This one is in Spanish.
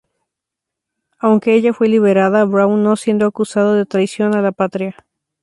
Aunque ella fue liberada, Braun no, siendo acusado de "traición a la patria".